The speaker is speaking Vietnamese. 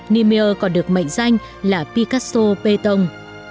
niemeyer còn được mệnh danh là picasso bê tông